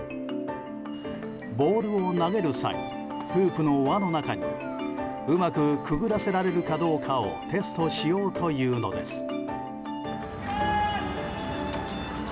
ボールを投げる際フープの輪の中にうまくくぐらせられるかどうかをテストしようというのです。